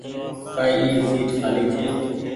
ڪآئي اي سيٽ کآلي ڇي۔